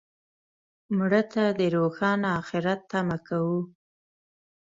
مړه ته د روښانه آخرت تمه کوو